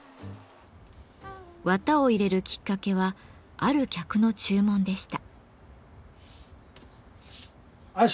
綿を入れるきっかけはある客の注文でした。